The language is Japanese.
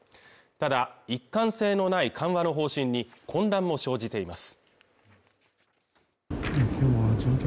ただ一貫性のない緩和の方針に混乱も生じています